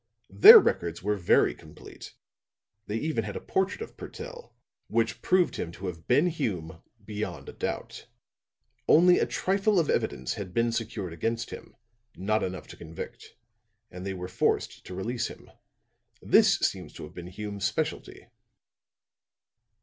Their records were very complete. They even had a portrait of Purtell, which proved him to have been Hume beyond a doubt. Only a trifle of evidence had been secured against him not enough to convict and they were forced to release him. This seems to have been Hume's specialty.